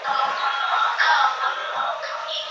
د بهرني سیاست په چوکاټ کي د وګړو حقونه نه ملاتړ کیږي.